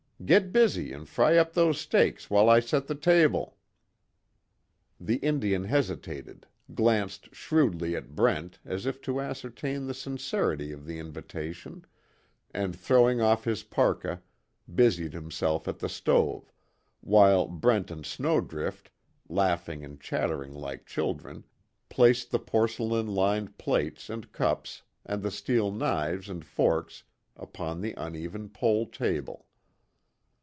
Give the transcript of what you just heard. Get busy and fry up those steaks while I set the table." The Indian hesitated, glanced shrewdly at Brent as if to ascertain the sincerity of the invitation, and throwing off his parka, busied himself at the stove, while Brent and Snowdrift, laughing and chattering like children, placed the porcelain lined plates and cups and the steel knives and forks upon the uneven pole table.